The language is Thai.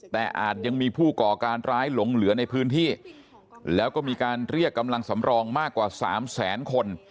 แต่อาจยังมีผู้ก่อการร้ายหลงเหลือในพื้นที่แล้วก็มีการเรียกกำลังสำรองมากกว่าสามแสนคน